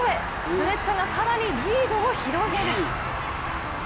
ドゥレッツァが更にリードを広げる。